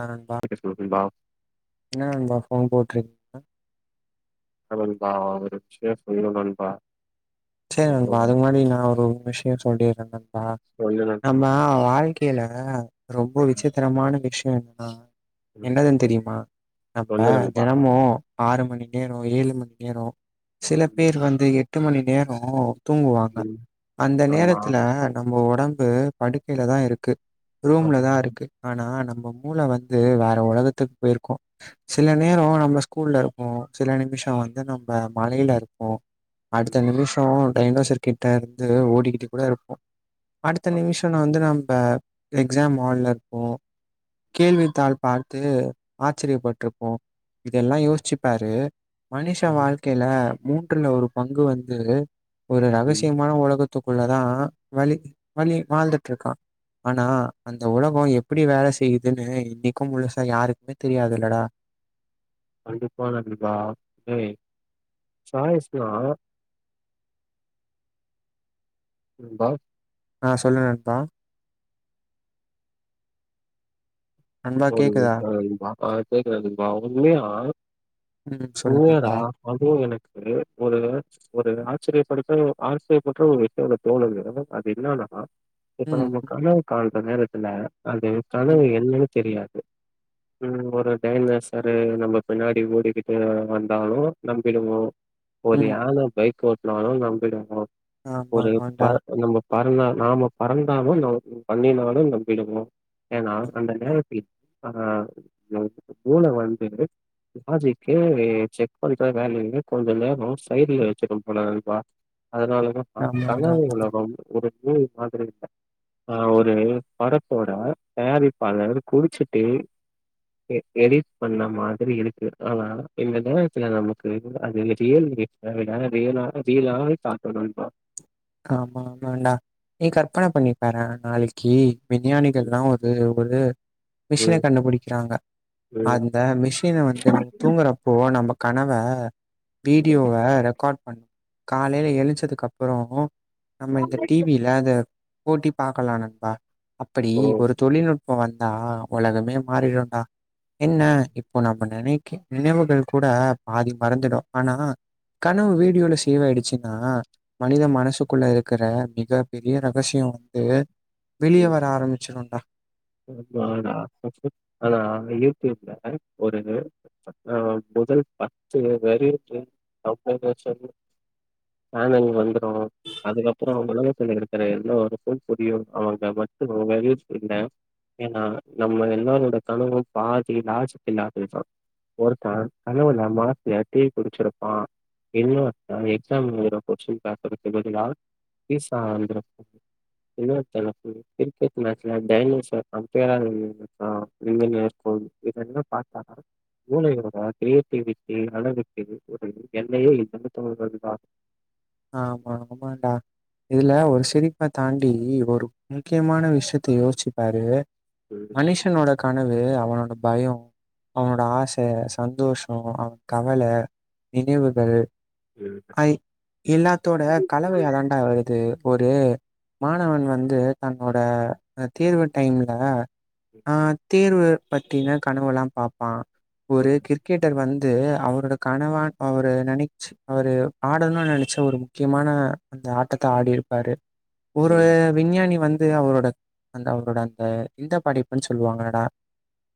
ஏ நண்பா [unintelligible] என்னா நண்பா ஃபோன் போட்ரு அவனுக்காவது சேஸ் பண்ணிரனு நண்பா சேரி ஓ, நண்பா அதுக்கு முன்னாடி நா ஒரு விஷயோ சொல்லிற நண்பா சொல்லு நண்பா நம்ம வாழ்க் கைல ரொம்ப விசித்திரமான விஷயோ என்னனா ம் என்னதுன் தெரியுமா நம்ம சொல்லு நண்பா தெனமு ஆறு மணி நேரோ ஏழு மணி நேரோ சில ம் பேர் வந்து எட்டு மணி நேரோ தூங்குவாங்க ம் அந்த ஆமா நேரத்துல நம்ம ஒடம்பு படுக்கல தா இருக்கு ரூம்ல ஆமா தா இருக்கு ஆனா நம்ம மூள வந்து வேற உலகத்துக்கு போயிருக்கும் சில நேரோ ஆமா நம்மள ஸ்கூல்ல இருப்போ சில நிமிஷோ வந்து நம்ம மலையில இருப்போ ம் அடுத்த நிமிஷோ டைனோசர் கிட்ட இருந்து ஓடிக்கிட்டு கூட இருப்போம் அடுத்த நண்பா நிமிஷோ நா வந்து நம்ப எக்ஸாம் ஹால்ல இருப்போம் கேள்வித் தாள் பாத்து ஆச்சரியப்பட்டுருப்போம் இதெல்லாம் யோச்சுப் பாரு மனிஷ ம் வாழ்க்கையில மூன்றுல ஒரு பங்கு வந்து ஒரு ம் ரகசியமான உலகத்துக்குள்ள தான் வலி வலி வாழ்ந்துட்டு இருக்கா ஆனா அந்த உலகோ எப்படி வேல செய்யுதுனு இன்னிக்கும் முழுசா யாருக்குமே தெரியாது இல்லடா கண்டிப்பா கண்டிப்பா ஹே சாயஸ்னா நண்பா ஆ சொல்லு நண்பா நண்பா ஒரு கேக்குதா? ஆ நண்பா ஆ கேக்குதா நண்பா உண்மையா ம். சொல்லு உண்மையாடா நண்பா. அதுவும் எனக்கு ஒரு ஒரு ஆச்சரியப்படுத்த ஆச்சரியப்பற்ற ஒரு விஷயம் எனக்கு தோனுது அது என்னானா இப்ப ம். நம்ம கனவு காணுற நேரத்துல அது கனவு ம். என்னனு தெரியாது ம் ஒரு டைனோசரு நம்ம பின்னாடி ஓடிக்கிட்டே வந்தாலும் நம்பிருவோம் ஒரு ம். யான பைக் ஓட்டுனாலும் நம்பிடும் ஒரு ப ஆமாமாண்டா. ஆமாண்டா. நம்ப பறந்தா நாம பறந்தாலும் நம்ம பண்ணினாலும் நம்பிடுவோம் ஏன்னா அந்த ஆமாண்டா. நேரத்தில ஆ நம் மூள வந்துட்டு லாஜிக்கு செக் பண்ற வேல எல்லா கொஞ்சோ நேரோ சைடுல வச்சுக்கு நண்பா அதனாலதா நண்ப ஆமாண்டா, கனவு உலகம் ஒரு நூல் மாதிரி ஆ ஒரு பரடத்தோட தயாரிப்பாளர் குடிச்சிட்டு எ எடிட் பண்ண மாதிரி இருக்கு ஆனா இந்த நேரத்துல நமக்கு அது [unintelligible] ரியல் அதுல ரியலா ரீலானு பாக்கணும் நண்பா ஆமா ஆமாண்டா நீ கற்பன பண்ணிப்பாரே நாளைக் கி ம், விஞ்ஞானிகள்லாம் ஒரு ஒரு மிஷின ம், கண்டுபிடிக்கிறாங்க ம். அது அ மிஷின வந்து நம்ம தூங்குறப்போ நம்ம கனவ வீடியோவ ரெக்கார்ட் பண்ணும் காலையில எழுஞ்சதுக்கு அப்புறம் நம்ம இந்த டிவியில அத போட்டி பாக்கலாம் நண்பா அப்படி ஓ! ஒரு தொழில்நுட்பம் வந்தா உலகமே மாறிடும்டா என்ன இப்போ நம்ம நினைக்க நினைவுகள் கூட பாதி மறந்துடும் ஆனா கனவு வீடியோல சேவ் ஆயிடுச்சுன்னா மனித மனசுக் குள்ள இருக்கிற மிக பெரிய ரகசியம் வந்து வெளியே ம். வர ஆரம்பிச்சிரும்டா ஆமாடா [unintelligible] ஆனா யூடியூப்ல ஒரு ஆ முதல் பத்து வரைக்கும் அவுங்க இத சொல்லும் ஆ நாங்க வந்துர்ரோ அதுக்கப்றோ ஆமா, உலகத்துல இருக்குற எல்லோருக்கும் புரியும் அவுங்க மட்டும் [unintelligible] ஏன்னா நம்ம எல்லாரோட கனவும் பாதி லாஜிக் இல்லாதது தான் ஒருத்த கனவுல மாத்தியா டீ குடிச்சிருப்பான் என்ன அ எக்ஸாம் எழுதுற கொஸ்டின் பேப்பருக்கு பதிலா பீசா வந்துருக் என்ன தலைப்பு கிரிக்கெட் மேட்சுல டயனோஸர் அப்ப யாரும் இருக்கா [unintelligible] இது ரெண்டுமே பாத்தாதா மூளையோடா கிரியேட்டிவிட்டி அளவுக்கு ஒரு எல்லையே இனத்தவர்கள் தா ஆமா ஆமாண்டா இதுல ஒரு சிரிப்ப தாண்டி ஒரு முக்யமான விஷ்யத்த யோச்சுபாரு ம் மனுஷனோட கனவு அவனோட பயோ அவனோட ஆச சந்தோஷோ அவன் கவல நினைவுகள் இருக்க ஐ எல்லாத்தோட கலவையாதான்டா வருது ஒரு மாணவன் வந்து தன்னோட அ தேர்வு டைம்ல அ தேர்வு பத்தின கனவுலா பாப்பான் ம், ஒரு கிரிக்கெட்டர் வந் து அவரோட கனவான் அவரு நெனச்சு அவரு ஆடனு நென ச்ச ஒரு முக்கியமான அந்த ஆட்டத்த ஆடிருப்பாரு ஒரு ம். விஞ்ஞானி வந் து அவரோட அந்த அவரோட அந்த இந்த படைப்புன் சொல்வாங்களடா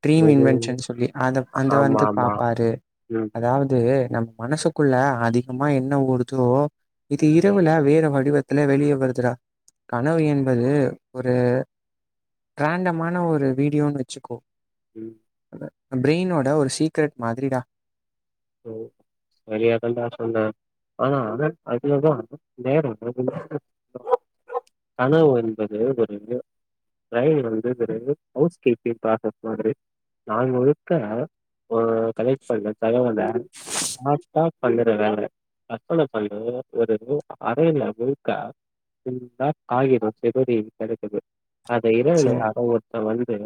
ட்ரீம் இது இன்வென்ஷன் சொல்லி அத அந்த ஆமா, வந்து ஆமா. பாப்பாரு ம், அதாவ து நம்ம மனசுக்குள்ள அதிகமா என்ன ஓடுதோ இது ம், இரவுல வேற வடிவ த்ல வெளிய வருதுடா கனவு என்பது ஒரு ரேண்டமான ஒரு வீடியோன் வச்சுக்கோ ம் அதா பிரெய்னோட ஒரு சீக்ரெட் மாதிரிடா ஓ சரியாதான்டா சொன்ன ஆனா அத அதேதா வேற [unintelligible] கனவு என்பது ஒரு விதோ ரய்ல் வந்துர்கிது ஹவ்ஸ் கீப்பிங் பாக்கற் மாதிரி நாள் முழுக்க அ கலெக்ட் பண்ணு தகவல நான்ஸ்டாப்ட பண்ணணு வேல கற்பன பண்ணு ஒரு அறைல முழுக்க ஃபுல்லா காகிதோ செதறி கெடக்குது அத இரவுல சரி அத ஒ ர்த்த வந்துட்டு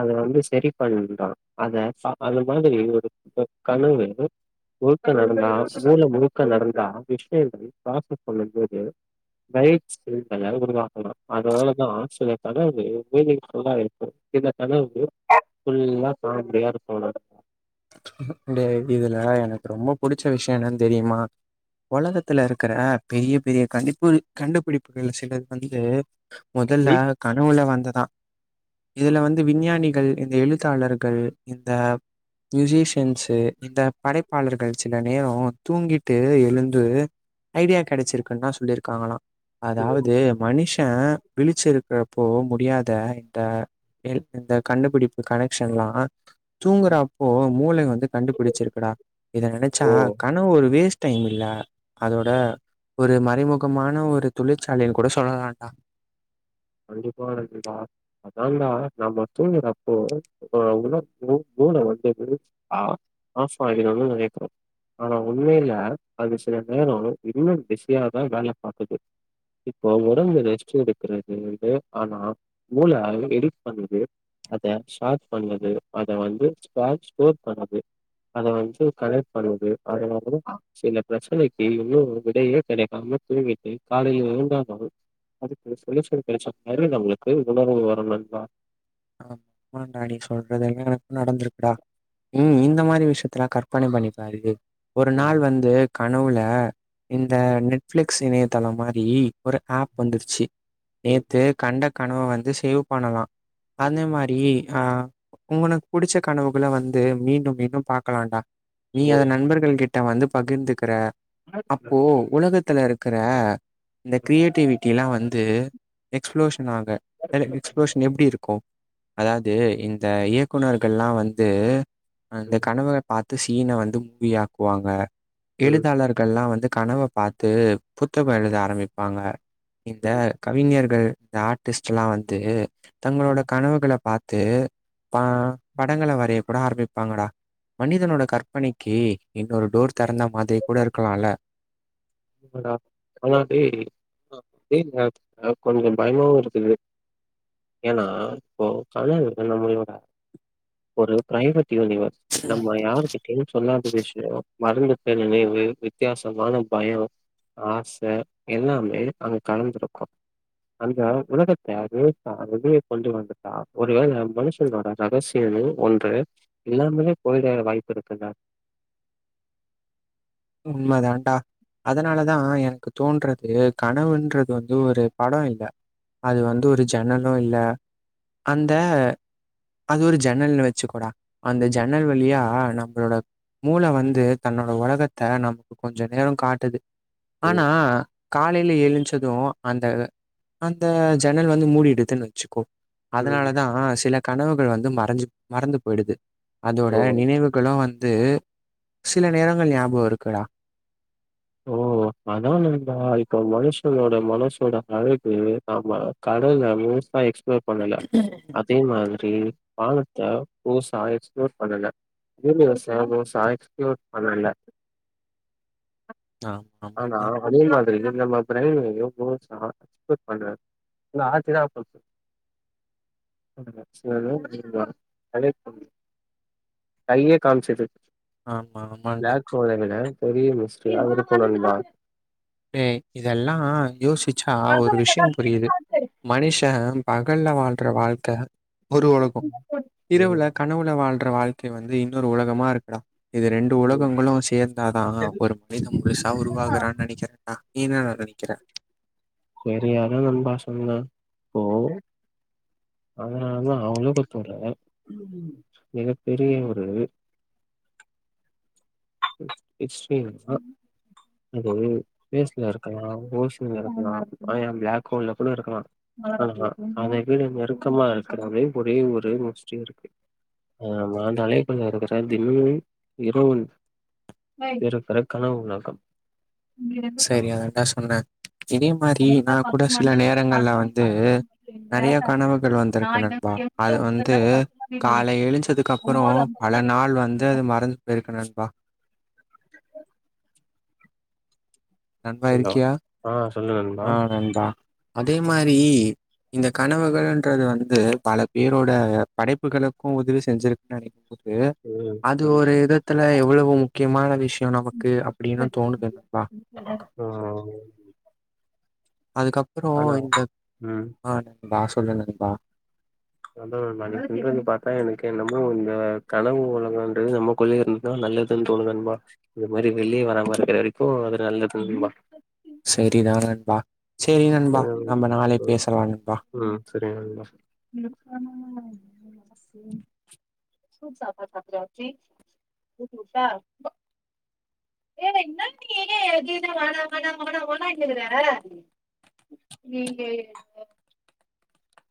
அத வந்து செரி பண்றா அத சா அந்த மாதிரி ஒரு கனவு வருது முழுக்க [unintelligible] மூல முழு க்க நடந்தா விஷ்யோ என்னது பார்ச பண்ணும்போது நைட்ஸ் ஃபீல் பண்ண உருவாக்குறோ அதுனாலதா சில கனவுகள் மீனிங் ஃபுல்லா இருக்கு சில கனவு வந்து ஃபுல்லா காமடியா இருக்குல இந்த இதுல எனக்கு ரொம்ப புடிச்ச விஷ்யோ என்னன் தெரிமா ஒலகத்துல இருக்குற பெரிய பெரிய கண்டிப்பு கண்டுபிடிப்புகள் சிலது வந்து முதல்ல ம். கனவுல வந்ததா இதுல வந்து விஞ்ஞானிகள் இந்த எழுத்தாளர் கள் இந்த மியூசிஷியன்ஸு இந்த படைப்பாளர்கள் சில நேரோ தூங்கிட்டு எழுந்து ஐடியா கெடச்சிருக்குன்தா சொல்லிருக்காங்களா ம். அதாவது மனிஷ விழிச்சு இருக்றப்போ முடியாத இந்த எல் இந்த கண்டுபிடிப்பு கனெக்ஷன்லா தூங்குறப் போ மூளை வந்து கண்டுபிடிச்சிருக்குடா இத நெனச்சா ஓ! கணவு ஒரு வேஸ்ட் டைம் இல்ல அதோட ம். ஒரு மறைமுகமான ஒரு தொழிற்சாலைன் கூட சொல்லலான்டா கண்டிப்பா இருக்குடா அதான்டா நம்ம தூங்குரப்போ அ உறங்னு மூள வந்து விருச் ஆ ஆப் ஆய்டுனு நெனைக்ற ஆனா உண்மைல அது சில நேரோ இன்னு பிசியாதா வேல பாக்குது இப்போ ஒடம்பு ரெஸ்ட் எடுக்குறது இர்ந்து ஆனா மூள அதுலிந்து எடிட் பண்ணுது அதைய ஷார்ட் பண்ணது அத வந்து ஸ்பால் ஸ்கோர் பண்ணது அத வந்து கரெக்ட் பண்ணது அதவந்து சில ப்ரச்சனைக்கு இன்னு விடையே கிடைக்காம தூங்கிட்டு காலையில எழுந்தாதா அதுக்கு சொலுஷன் கெடச்ச வர்ரு நம்பளுக்கு உணர்வு வரு நண்பா ஆம் ஆமாண்டா நீ சொல்றது எல்லா எனக்கு நடந்திருக்குடா ம் இந்த மாரி விஷ்யத்துலா கர் பணி பண்ணிப்ப அதுக்கு ஒரு நாள் ம், வந்து கனவுல இந்த நெட்ஃபிளிக் ஸ் இணையதளோ மாரி ஒரு ஆப் வந்துருச்சி ம், நேத்து கண்ட கனவ வந்து சேவ் பண்ணலா அதே ம். மாரி ஆ உங்கனக் புடிச்ச கனவுகள வந்து மீண்டு மீண்டும் பாக்கலான்டா நீ ஓ. அத நண்பர்கள் கிட் ட வந்து பகிர்ந்துக்கிற அப்போ ம், உலகத்துல இருக்குற இந்த கிரியேட்டிவிட்டில்லா வந்து எக்ஸ்ப்ளோஷன் ஆக எல எக்ஸ்பளோஷன் எப்டி இருக் கோ அதாவ்து இந்த இயக்குநர்கள்லா வந்து அந்த கனவ பாத்து சீன வந்து மூவி ஆக்குவாங்க ம். எழுதாளர் கள்ல்லா வந்து கனவ பாத்து புத்தகோ எழுத ஆரம்பிப்பாங்க இந்த கவிஞர்கள் இந்த ஆர்ட்டிஸ்ட் எல்லா வந்து தங்களோட கனவுகள பாத்து ப படங்கள வரைய கூட ஆரம்பிப்பாங்கடா மனிதனோட கற்பனைக்கி இன்னொரு டோர் தெறந்தா மாதிரி கூட இருக்கலால ஆமாண்டா ஆனா அதே அ அதே நேரத்துல கொஞ்சோ பயமாவு இருக்குது ஏன்னா இப்போ [unintelligible] நம்மளோட ஒரு ப்ரைவேட் யூனிவர்ஸ் நம்ம யாரு கிட்டயு சொல்லாத விஷ்யோ மறந்துட்ட நினைவு வித்தியாசமான பயோ ஆச எல்லாமே அங்க கலந்துருக்கு அந்த உலகத்த [unintelligible] வெளிய கொண்டு வந்துட்டா ஒருவேள மனுஷனோட ரகசியமு ஒன்று இல்லாமே போய்ட வாய்ப்பு இருக்குல்ல உண்ம தான்டா அதனாலதா எனக்கு தோன்றது கனவுன்றது வந்து ஒரு படோ இல்ல அது வந்து ஒரு ஜன்னலு இல்ல அந்த அது ஒரு ஜன்னல்னு வச்சுக்கோடா அந்த ஜன்னல் வழியா நம்மளோட மூள வந்து தன்னோட ஓலகத் த்த நமக்கு கொஞ்ச நேரோ காட்டுது ஆனா ம், காலைல எழுஞ்ச்சது அந்த அந்த ஜன்னல் வந்து மூடிடுதுன்னு வச்சுக்கோ ம். அதனாலதா சில கனவுகள் வந்து மறஞ்சு மறந்து போயிடுது அதோட ஓ! நினைவுகளு வந்து சில நேரங்கள் ஞாபகோ இருக்குடா ஓ அதா நண்பா இப்ப மனுஷனோட மனசோட அழகு ஆமா கடல்ல மோஸ்டா எக்ஸ்ப்லோர் பண்ணல அதே மாதிரி வானத்த புதுசா எக்ஸ்ப்லோர் பண்ணல யூனிவர்ச மோஸ்ட்டா எக்ஸ்ப்லோர் பண்ணல்ல ஆ ஆனா அதே மாதிரி நம்ம பிரைன்யு மோஸ்டா எக்ஸ்ப்லோர் பண்ணல எங்க ஆச்சி தான் [inaudible] [inaudible] பண்ணல சில நேரோ பண்ணிருந்தா [unintelligible] கையே காம்ச்சிது ஆமா ஆமாண்டா வேற எதாவ்து பெரிய மிஸ்ட்ரியா இருக்கும் நண்பா மே இதெல்லா யோசிச்சா ஒரு விஷ்யம் புரிது மனுஷ பகல்ல வாழ்ற வாழ்க்க ஒரு உலகோ ம் இரவுல கனவுல வாழ் ற வாழ்க்க வந்து இன்னொரு உலகமா இருக்குடா இது ரெண்டு ம் உலகங்களு சேந்தாதா ஒரு மேகம் முழுசா உருவாகுறான் நெனைக்கிற ஆ ஈனா வந்து நிக்கிற சரியாதா நண்பா சொன்ன போ அதனாலதா அவுங்லகத்தோட மிக பெரிய ஒரு இட்ஸ் மீ அ அது ஸ்பேஸ்ல இருக்கலாம ஓஷன்ல இருக்கலா அ ஏன் பிலாக் ஹோல்ல கூட இருக்கலா ஆ அத விட நெருக்கமா இருக்கறதே ஒரே ஒரு முஸ்டி இருக்கு [unintelligible] இருகருக்கான உலகம் சரியாதான்டா சொன்ன இதே மாரி நா கூட சில நேரங்கள்ல வந்து நெறையா கனவுகள் வந்துருக்கு நண்பா அது வந்து காலை எழுஞ்சதுக்கப்பறோ பல நாள் வந்து அது மற ந்திருக்கு நண்பா நண்பா ஹலோ இருக்கியா ஆ சொல்லு நண் ஆ நண்பா அதே மாரி இந்த கனவுகள்ன்றது வந்து பல பேரோட படைப்புகளுக்கு உதவி செஞ்சிருக்குன்னு நெனைக்கும்போது ம் அது ம் ஒரு விதத்துல எவ்வளவு முக்கியமான விஷ் இவ நமக்கு அப்டின்னு தோணுது நண்பா ஆ அதுக்கப்றோ ஆனா இந்த ம் ஆ நண்பா சொல்லு நண்பா அதா நண்பா நீ சொல்றது பாத்தா எனக்கு என்னமோ இந்த கனவு உலகன்றது நம் குள்ளயே இருந்தா நல்லதுன்னு தோணுது நண்பா இந்த மாரி வெளிய வராம இருக்கற வரைக்கு அது நல்லது நண்பா சரிதா நண்பா சரி நண்பா ம் நம்ம நாளை ம் பேசலா நண்பா ம் சரி நண்பா [unintelligible] ஏ என்னா நீ எதுமே வேணா வேணா வேணா வேணான்னுக்கிற நீங்க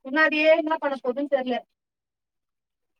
பின்னாடியே என்னா பண்ண போதுன்னு தெர்ல